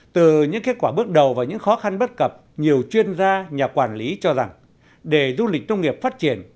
từ những kết quả bước đầu và những khó khăn bất cập nhiều chuyên gia nhà quản lý cho rằng để du lịch nông nghiệp phát triển